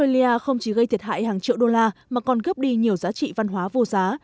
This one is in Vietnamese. australia không chỉ gây thiệt hại hàng triệu đô la mà còn gấp đi nhiều giá trị văn hóa vô giá